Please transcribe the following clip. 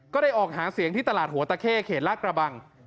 ก็ได้ออกหาเสียงที่ตลาดหัวตะเข้เขตลาดกระบัง